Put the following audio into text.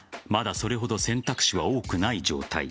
それほど選択肢は多くない状態。